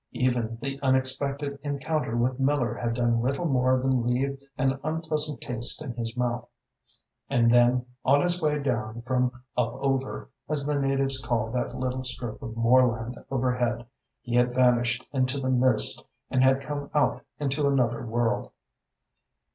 Even the unexpected encounter with Miller had done little more than leave an unpleasant taste in his mouth. And then, on his way down from "up over," as the natives called that little strip of moorland overhead, he had vanished into the mist and had come out into another world.